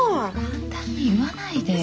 簡単に言わないでよ。